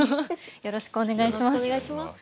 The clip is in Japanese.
よろしくお願いします。